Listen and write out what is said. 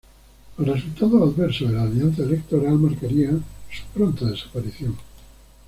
Los resultados adversos de la alianza electoral marcarían su pronta desaparición.